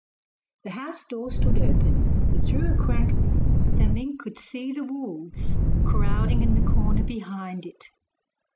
The house door stood open, but through a crack the mink could see the wolves crowding in the corner behind it.